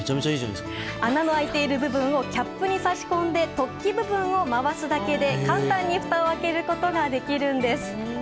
穴の開いている部分をキャップに差し込んで突起部分を回すだけで、簡単にふたを開けることができるんです。